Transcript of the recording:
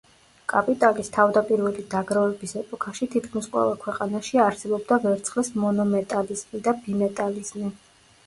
კაპიტალის თავდაპირველი დაგროვების ეპოქაში თითქმის ყველა ქვეყანაში არსებობდა ვერცხლის მონომეტალიზმი და ბიმეტალიზმი.